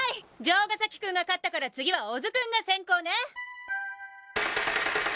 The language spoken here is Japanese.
城ヶ崎君が勝ったから次は小津君が先攻ね。